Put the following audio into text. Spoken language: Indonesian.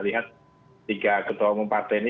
lihat tiga ketua umum partai ini